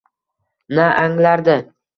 Na anglardi.